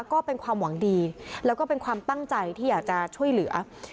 ก็เป็นความหวังดีแล้วก็เป็นความตั้งใจที่อยากจะช่วยเหลือ